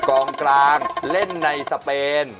กองกลางเล่นในสเปน